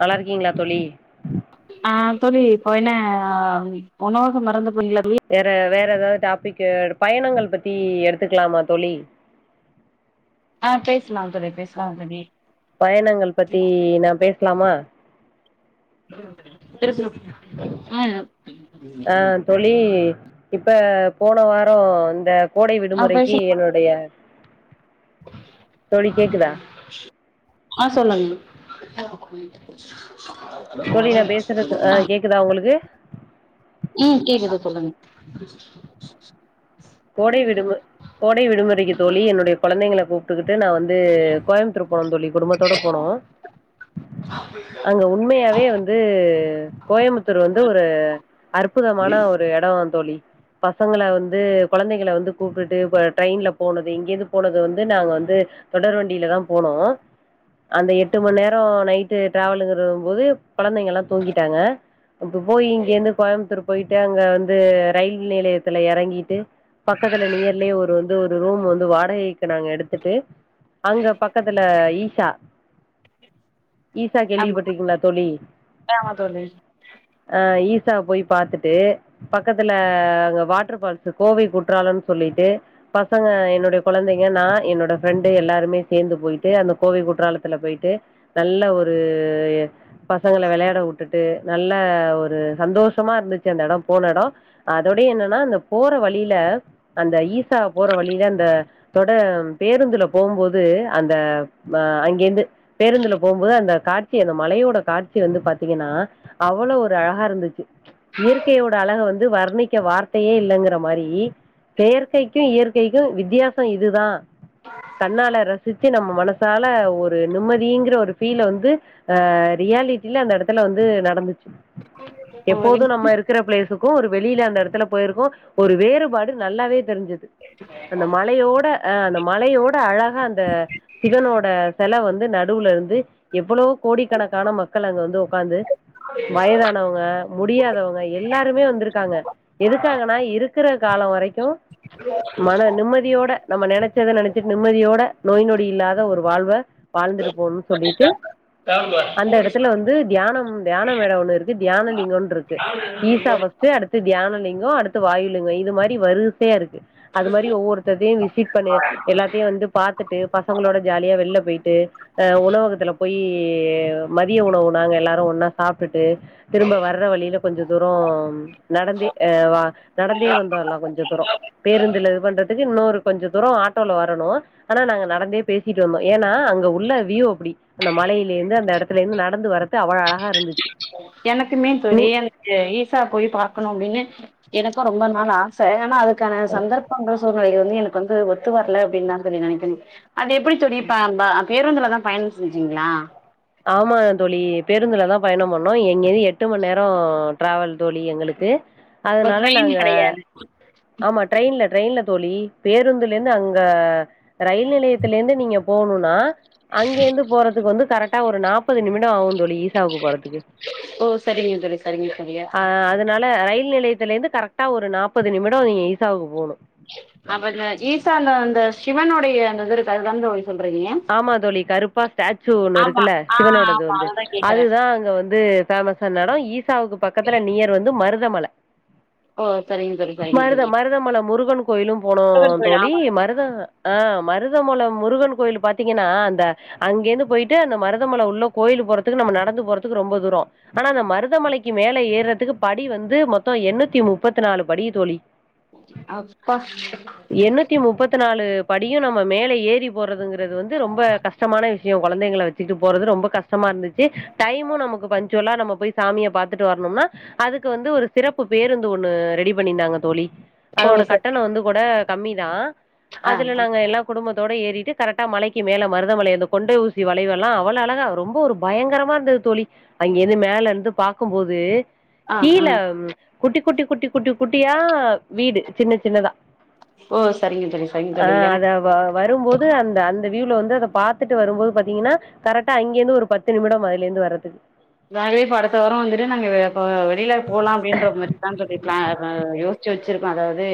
நல்லா இருக்கீங்களா தோழி ஆ தோழி இப்ப என்ன உணவக மறந்து போனில வீ வேற வேற ஏதாவுது டாபிக்கு பயணங்கள் பத்தி எடுத்துக்கலாமா தோழி ஆ பேசலாம் தோழி பேசலாம் தோழி பயணங்கள் பத்தி நா பேஸ்லாமா திருப்புறோ அ ஆ தோழி இப்ப போன வாரோ இந்த கோடை ஆ பேச விடுமுறைக்கு என்னுடைய தோழி கேக்குதா ஆ சொல்லுங்க தோழி நா பேசுறது ஆ கேக்குதா உங்களுக்கு ம் கேக்குது சொல்லுங்க கோடை விடுமு கோடை விடுமுறைக்கு தோழி என்னுடைய குழந்தைங்கள கூப்ட்டுக்கிட்டு நா வந் ந்து கோயம்புத்தூர் போனோ தோழி குடும்பத்தோட போனோ ஆ ஆமா உண்மயாவே வந்து கோயம்புத்தூர் வந்து ஒரு அற்புதமான ஒ எடோந்தோழி பசங்கள வந்து கொழந்தைகள வந்து கூப்ட்டுடு இப்போ ட்ரெயின்ல போனது இங்கேருந்து போனது வந்து நாங்க வந்து தொடர் வண்டியில தா போனோ அந்த எட்டு மண் நேரோ நைட்டு டிராவலுங் இருகு போது குழந்தைங்க எல்லா தூங்கிட்டாங்க அப்ப போய் இங்கிருந்து கோயம்புத்தூர் போயிட்டு அங்க வந்து ரயில் நிலையத்துல எறங்கிட்டு பக்கத்துல நியர்லேயே ஒரு வந்து ஒரு ரூம் வந்து வாடகைக்கி நாங்க எடுத்துட்டு அங்க பக்கத்துல ஈஷா ஈஷா ஆமா கேள்விப்பட்டிருக்கீங்களா தோழி ஆமா தோழி ஆ ஈஷா போய் பாத்துட்டு பக்கத்துல அங்க வாட்டர் பால்ஸு கோவை குற்றாலன் சொல்லிட்டு பசங்க என்னோடைய குழந்தைங்க நா என்னோட ஃப்ரெண்டு எல்லாருமே சேந்து போய்ட்டு அந்த கோவில் குற்றாலத்துல போய்ட்டு நல்ல ஒரு பசங்கள விளையாட உட்டுட்டு நல்லாஒரு சந்தோஷமா இருந்துச்சு அந்த எடோ போன எடோ அதோட என்னென்னா அந்த போற வழியில அந்த ஈசா போற வழியில அந்த அதோட பேருந்துல போம்போது அந்த அ அங்கிந்து பேருந்துல போபோது அந்த காட்சி அந்த மலையோட காட்சி வந்து பாத்தீங்கன்னா அவ்ளோ ஒரு அழகா இருந்துச்சி இயற்கையோட அழக வந்து வர்ணிக்க வார்த்தையே இல்லங்ற மாரி செயற்கைக்கு இயற்கைக்கு வித்தியாசோ இதுதா கண்ணால ரசிச்சி நம்ம மனசால ஒரு நிம்மதீங்கிற ஒரு ஃபீல வந்து ஆ ரியாலிட்டில அந்த எடத்துல வந்து நடந்துச்சி ஒரு எப்போது நம்ம இருக்கிற பிளேஸ்சுக்கு ஒரு வெளியில அந்த ஏடத்துல போயிருக்கோ ஒரு வேறுபாடு நல்லாவே தெரிஞ்சிது அந்த மலையோட அ அந்த மலையோட அழகா அந்த சிவனோட செல வந்து நடுல இருந்து எவ்ளோ கோடிக்கணக்கான மக்கள் அங்க வந்து உக்காந்து வயதானவுங்க முடியாதவுங்க எல்லாருமே வந்துருக்காங்க எதுக்காகன்னா இருக் க்கற காலோ வரைக்கு மன நிம்மதியோட நம்ம நெனைச்சத நெனைச்சிட்டு நிம்மதியோட நோய் நொடி இல்லாத ஒரு வாழ்வ வாழ்ந்திரு போனு சொல்லிட்டு அந்த எடத்துல வந்து தியானம் தியான மேட ஒண்ணு இருக்கு தியானோ லிங்கோன்னு இருக்கு ஈசா அடுத்து தியானோ லிங்கோ அடுத்து வாயு லிங்கோ இது மாரி வரிசையா இருக்கு அது மரி ஒவ்வொருத்தர்தியு விசிட் பண்ணு எல்லாத்தையு வந்து பாத்துட்டு பசங்களோட ஜாலியா வெள்ல போயிட்டு அ உணவகுத்துல போய் மதிய உணவு நாங்க எல்லாரு ஒன்னா சாப்டுட்டு திரும்ப வர்ற வழியில கொஞ்சோ தூரோ நடந்தே அ வா நடந்தே வந்தோர்லா கொஞ்சோ தூரோ‌ பேருந்துல இது பண்றதுக்கு இன்னொரு கொஞ்சோ தூரோ ஆட்டோல வரணு ஆனா நாங்க நடந்தே பேசிட்டு வந்தோ ஏனா அங்க உள்ள வி யோ அப்டி அந்த மலையிலந்து அந்த எடத்துலந்து நடந்து வர்றது அவ்ள அழகா இருந்துச்சி எனக்குமே தோழி எனக்கு ஈசா போய் பாக்கனு அப்டின்னு எனக்கு ரொம்ப நாள் ஆ சேயானா அதுக்கான சந்தர்ப்பங்கள் சூழ்நிலைகள் வந்து எனக் வந்து ஒத்து வரல அப்டின்தா தோழி நெனக்கணு அது எப்டி தோழி பே ப பேருந்துலதா பயணோ செஞ்சீங்ளா ஆமா தோழி பேருந்துலதா பயணோ பண்ணோ எங்கேது எட்டு மண் நேரோ ட்ராவல் தோழி எங்களுக்கு ஓ அதனால ட்ரெயின் நாங்க கெடையாது ஆமா ட்ரெயின்ல ட்ரெயின்ல தோழி பேருந்துலந்து அங்க ரயில் நிலையத்தில இருந்து நீங்க போணுன்னா அங்க இருந்து போறதுக்கு வந்து கரெக்டா ஒரு நாப் முப்பது நிமிட ஆவு தோழி ஈசாவுக்கு போறதுக்கு ஓ சரிங்க தோழி சரிங்க தோழி ஆ அத அத்னால ரயில் நிலையத்திலந்து கரெக்டா ஒரு நாப்பது நிமிடோ நீங்க ஈசாவுக்கு போனு அப்ப இந்த ஈசா அந்த அந்த சிவனுடைய அந்த இது இருக்கு அது தான் தோழி சொல்றீங்க ஆமா தோழி கருப்பா ஸ்டாச்சு ஒண்ணு ஆமா இருக்குல்ல ஆ சிவனோடது ஆமா வந்து அதுதா கேக்குறே அதுதா அங்க வந்து ஃபேமஸ் ஆன எடோ ஈசாவுக்கு பக்கத்துல நியர் வந்து மருதமலை ஓ சரிங்க தோழி சரிங்க மருதா தோழி மருதமல முருகன் கோயிலு போனோ முருகன் கோயில் தோழி ஆமா மருத ஆ மருத மல முருகன் கோயில் பாத் பாத்தீங்கன்னா அந்த அங்கிருந்து போயிட்டு அந்த மருதமலை உள்ள கோயில் போறதுக்கு நம்ம நடந்து போறதுக்கு ரொம்ப தூரோ ஆனா அந்த மருதமலைக்கு மேல ஏறதுக்கு படி வந்து மொத்தோ எண்ணூத்தி முப்பத்து நாலு படி தோழி அப்பா எண்ணூத்தி முப்பத்தி நாலு படியு நம்ம மேல ஏறி போறதுங்கிறது வந்து ரொம்ப கஷ்டமான விஷ் ஏ கொழந்தைங்ள வச்சிட்டு போறது ரொம்ப கஷ்டமாருந்துச்சி டைமு நமக்கு பஞ்சுவலா நம்ம போய் சாமிய பாத்துட்டு வர்ணும்னா அதுக்கு வந்து ஒரு சிறப்பு பேருந்து ஒண்ணு ரெடி பண்ணிர்ந்தாங்க தோழி ஓ அதோட சரி கட்டணோ வந்து கூட கம்மிதா ஆ அதுல நாங்க எல்லா குடும்பத்தோட ஏறிட்டு கரெக்டா மலைக்கு மேல மருதமலை அந்த கொண்டை ஊசி வளைவு எல்லா அவளோ அழகா ரொம்போ ஒரு பயங்கரமா இருந்தது தோழி அங்கிருந்து மேல இருந்து பாக்கும்போது ஆ கீழ ஆ குட்டி குட்டி குட்டி குட்டி குட்டியா வீடு சின்ன சின்னதா ஓ சரிங்க தோழி சரிங்க ஆ தோழி அத எனக்கு வரும்போது அந்த அந்த வீவ்ல வந்து அத பாத்துட்டு வரும்போது பாத்தீங்கன்னா கரெக்டா அங்கேந்து ஒரு பத்து நிமிடம் அதுல இருந்து வரதுக்கு நாங்களே இப்ப அடுத்த வாரோ வந்துட்டு நாங்க இப்ப வெளியில போலா அப்டின்ற மாரி தா தோழி பிளா யோ ச்சு வச்சிருக்கோ அதாவது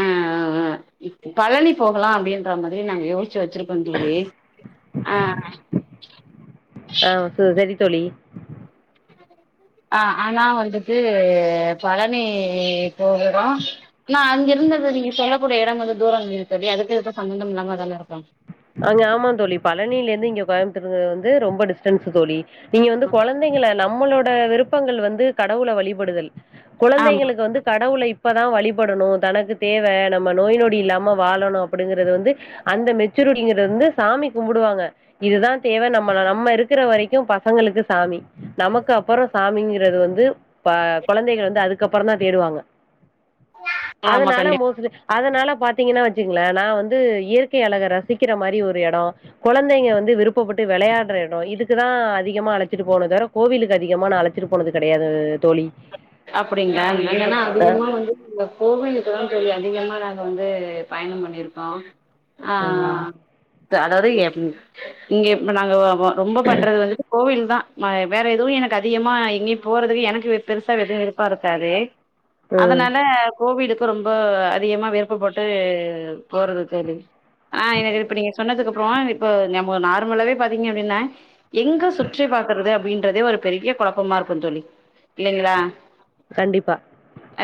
ஆ இப்ப பழனி போகலா அப்டின்ற மாரி நாங்க யோசிச்சு வச்சிருக்கோ தோழி ஆ ஆ சரி தோழி ஆ ஆனா வந்துட்டு பழனி போகறோ நா அங்க இருந்தது நீங்க சொல்லக்கூடிய எடம் வந்து தூரம் இரு தோழி அதுக்கு இதுக்கு சம்பந்தம் இல்லாம தான இருக்கு அங்க ஆமா தோழி பழனில இருந்து இங்க கோயம்புத்தூர் வந்து ரொம்ப டிஸ்டன்ஸ் தோழி நீங்க வந்து குழந்தைங்கள நம்மளோட விருப்பங்கள் வந்து கடவுள வழிபடுதல் ஆமா குழந்தைங்களுக்கு வந்து கடவுளை இப்பதா வழிபடணு தனக்கு தேவ நம்ம நோய் நொடி இல்லாம வாழணு அப்டிங்கறது வந்து அந்த மெச் சூருடிங்கந்து வந் சாமி கும்புடுவாங்க இதுதா தேவ நம்ம நம்ம இருக்கிற வரைக்கு பசங்களுக்கு சாமி நமக்கு அப்புற சாமிங்கிறது வந்து ப கொழந்தைகள் வந்து அதுக்கப்புற தா தேடுவாங்க ஆமா அதனால கண்டிப்பா மோஸ்ட்லி அதனால பாத்தீங்கன்னா வச்சுங்கங்களே நா வந்து இயற்கை அழக ரசிக்கிற மாரி ஒரு எடோ கொழந்தைங்க வந்து விருப்பப்பட்டு வெளையாட்ற எடோ இதுக்குதா அதிகமா அழைச்சிட்டு போனோ தவர கோவிலுக்கு அதிகமான நா அழைச்சிட்டு போனது கெடையாது தோழி அப்படிங்களா என்னன்னா அதிகமா வந்து இந்த கோவிலுக்குதா தோழி அதிகமா நாங்க வந்து பயணோ பண்ணிருக்கோ ம் க்க அதாவது எப் ம் இங்க இப்ப நாங்க ரொம்ப பண்றது வந்துட்டு கோவில் தா நாங்க வேற எதுவு எனக்கு அதிகமா எங்கேயு போறதுக்கு எனக்கு பெருசா எது விருப்போருக்காது ம் அதனால கோவிலுக்கு ரொம்ப அதிகமா விருப்பட்டு போறது தோழி ஆ எனக்கு இப்ப நீங்க சொன்னதுக்கு அப்புறோ இப்ப நம்ம நார்மலாவே பாத்தீங்க அப்படின்னா எங்க சுற்றி பாக்கறது அப்டின்றதே ஒரு பெரிய கொழப்பமா இருக்கும் தோழி அப்டிங்களா கண்டிப்பா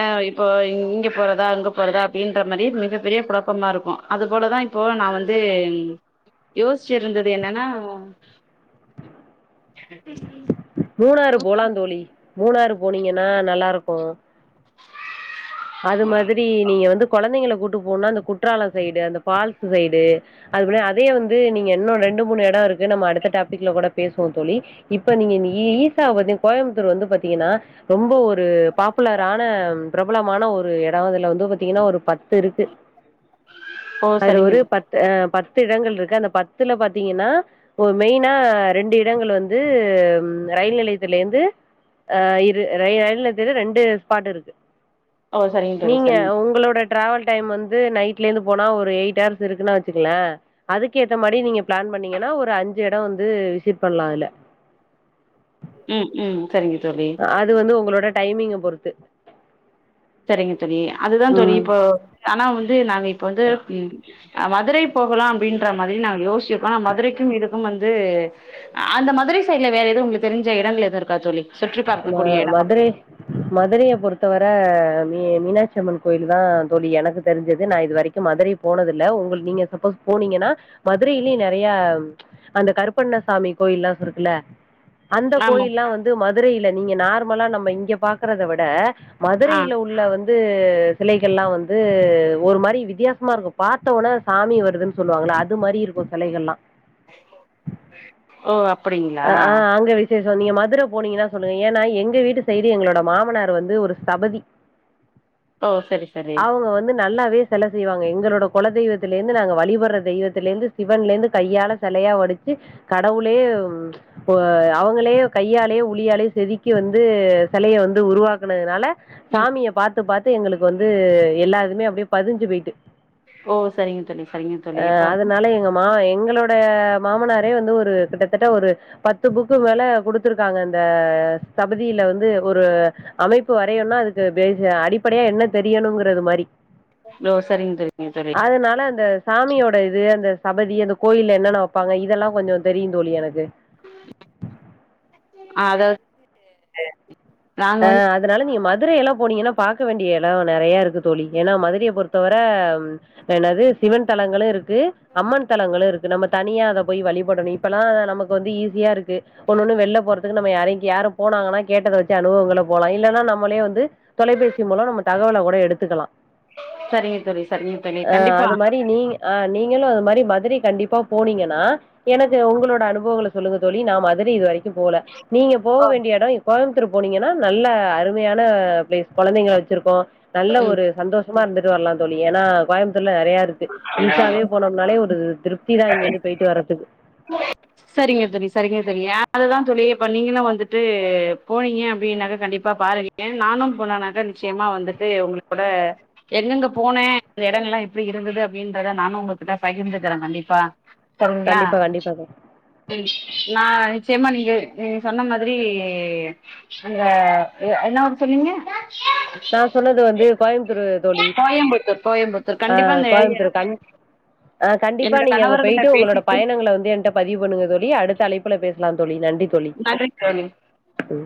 ஆ இப்போ இங்க போறதா அங்க போறதா அப்படின்ற மாரி மிகப் பெரிய கொழப்பமாருக்கு அது போலதா இப்போ நா வந்து யோசிச்சிருந்தது என்னன்னா மூணாறு போலா தோழி மூணாறு போனீங்கன்னா நல்லாருக்கு அது மாதிரி நீங்க வந்து கொழந்தைங்கள கூட்டு போனா அந்த குற்றாலம் சைடு அந்த பால்ஸ்ஸு சைடு அதுப்போல அதே வந்து நீங்க இன்னு ரெண்டு மூணு எடோ இருக்கு நம்ம அடுத்த டாபிக்கல்ல கூட பேசுவோ தோழி இப்ப நீங்க இந்த ஈசாவை பத்தி நீங்க கோயம்புத்தூர் வந்து பாத்தீங்கன்னா ரொம்ப ஒரு பாப்புலரான பிரப் பலமான ஒரு எடோ இதுல வந்து பாத்தீங்கன்னா ஒரு பத்து இருக்கு ஓ அதுல சரிங்க ஒரு தோ பத் து ஆ பத்து எடங்கள் இருக்கு அந்த பத்துல பாத்தீங்கன்னா மெயினா ரெண்டு இடங்கள் வந்து ரயில் நிலையத்திலேருந்து ஆ இரு ர ரயில் நிலையத்தில ரெண்டு ஸ்பாட்ருக்கு ஓ சரிங்க தோழி நீங்க சரிங்க உங்களோட டிராவல் டைம் வந்து நைட்லேருந்து போனா ஒரு எயிட் ஹர்ஸ் இருக்குன்னு வச்சுக்கோகலே அதுக்கு ஏத்த மாரி நீங்க பிளான் பண்ணீங்கன்னா ஒரு அஞ்சு எடோம் வந்து விசிட் பண்ணலா அதுல்ல ம் ம் சரிங்க தோழி அது வந்து உங்களோட டைமிங்க பொறுத்து சரிங்க தோழி அதுதா தோழி ம் இப்ப ஆனா வந்து நாங்க இப்ப வந்து மதுரை போகலா அப்படின்ற மாதிரி நா யோசிச்சுட்டு ஆ மதுரைக்கும் இதுக்கும் வந்து அந்த மதுரை சைட்ல வேற ஏதுவு உங்களுக்கு தெரிஞ்ச இடங்கள் எதும் இருக்கா தோழி ம சுற்றிபார்க்ககூடிய எடோ மதுரை அப்டின்னா மதுரைய பொறுத்தவர மீ மீனாட்சியம்மன் கோயில் தா தோழி எனக்கு தெரிஞ்சது நா இது வரைக் க்கு மதுரைக் போனதில்ல உங்க நீங்க சப்போஸ் போனீங்கனா மதுரையிலே நெறயா அந்த கருப்பண்ணசாமி கோயில்லாம் சோ இருக்குல அந்த ஆமா கோயில்லா வந்து மதுரையில நீங்க நார்மலா நம்ம இங்க பாக்கறத விட ஆ மதுரையில உள்ள வந் து சிலைகள்லா வந்து ஒரு மாரி வித்யாசமாருக்கு பாத்தோன்னே சாமி வருதுன் சொல்லுவாங்களா அது மாரி இருக்கு செலைகள்லா ஓ அப்டிங் அ ஆ அங்க வெச் சப்போஸ் நீங்க மதுர போனீங்னா சொல்லுங்க ஏன்னா எங்க வீட்டு சைடு எங்ளோட மாமனார் வந்து ஒரு ஸ்சபதி ஓ சரி சரி அவாங்க வந்து நல்லாவே செல செய்வாங்க எங்களோட கொலதெய்வத்திலருந்து நாங்க வழிபட்ற தெய்வத்திலருந்து சிவன்லருந்து கையால செலயா வடிச்சி கடவுளே ம் இப்போ அவங்களே கையாலே உளியாலே செதுக்கி வந்து செலைய வந்து உருவாக்குனதுனால ம் சாமிய பாத்து பாத்து எங்களுக்கு வந்து எல்லா இதுமே அப்டியே பதிஞ்சி போய்ட்டு ஓ செரிங்க தோழி செரிங்க தோழி இப்ப ஆ எங்களோட மாமனாரே வந்து ஒரு கிட்டத்தட்ட ஒரு பத்து புக்கு மேல குடுத்துருக்காங்க இந்த சபதியில வந்து ஒரு அமைப்பு வரையண்னா அதுக்கு பேசி அடிப்படயா என்ன தெரியணுங்கற மாரி ஓ சரிங்க தோழி, சரிங்க தோழி அதனால இந்த சாமியோட இது அந்த சபதி அந்த கோயில்ல என்னென்ன வைபாங்க இதெல்லா‌ கொஞ்சோ தெரியு தோழி எனக்கு அத ஆ அதனால நீங்க மதுரையெல்லா போனீங்கனா பாக்க வேண்டிய எடோ நெறையா இருக்கு தோழி ஏனா மதுரைய பொறுத்த வர என்னது சிவன் தலங்களு இருக் கு அம்மன் தளங்களு இருக்கு நம்ம தனியா அத போய் வழிபடணு இப்பல்லா நமக்கு வந்து ஈஸியா இருக் கு ஒன்னு ஒன்னு வெள்ல போறதுக்கு நம்ம யாரயு யாரு போனாங்கனா கேட்டத வச் சி அனுபவங்கள போலா இல்லனா நம்மளே வந்து தொலைபேசி மூலோ நம்ம தகவல கூட எடுத்துக்கலா செரிங்க தோழி செரிங்க தோழி கண்டிப்பா ஆ நீங்களு அது மாரி மதுரை கண்டிப்பா போனீங்கனா எனக்கு உங்களோட அனுபவங்கள சொல்லுங்க தோழி நா மதுரை இது வரைக்கு போல நீங்க போக வேண்டிய எடோ கோயம்புத்தூர் போனீங்கனா நல்ல அருமையான பிளேஸ் கொழந்தைங்கள வச்சிருக்கோ நல்லா ம் ஒரு சந்தோஷமா இருந்துட்டு வர்லா தோழி ஏனா கோயம்புத்தூர்ல நெறையா இருக்கு ஈசாவே போனோம்னாலே ஒரு திருப்தி தா இங்கிருந்து போயிட்டு வரதுக்கு செரிங்க தோழி செரிங்க தோழி யா அதுதா தோழி இப்ப நீங்களு வந்துட்டு போனீங்க அப்டின்னாக்க கண்டிப்பா பாரதி ஏ நானு போனேனாக்கா நிச்சயமா வந்துட்டு உங்ளுக்கு கூட எங்கெங்க போனே அந்த எடங்கல்லா எப்டி இருந்தது அப்படிங்றத நானு உங்ககிட்ட பகிர்ந்துக்கிறே கண்டிப் பா செரிங்ளா கண்டிப்பா கண்டிப்பா தோழி ம் நா நிச்சயமா நீங்க நீங்க சொன்ன மாதிரி அந்த எ என்ன ஊரு சொன்னீங்க நா சொன்னது வந்து கோயம்புத்தூரு தோழி கோயம்புத்தூர் கோயம்புத்தூர் ஆ கண்டிப்பா அந்த ஏரியா கோயம்புத்தூரு கண் அ கண்டிப்பா என்னோட நீங்க அங்க கணவர்கிட்ட பேய்ட்டு உங்களோட பேசிட்டு பயணங்கள வந்து என்ட பதிவு பண்ணுங்க தோழி அடுத்த அழைப்புல பேசலா தோழி நன்றித் நன்றித் தோழி ம்